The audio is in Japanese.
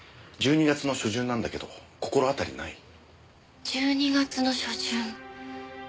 １２月の初旬なんだけど心当たりない？１２月の初旬。